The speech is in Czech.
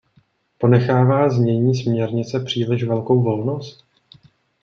Ponechává znění směrnice příliš velkou volnost?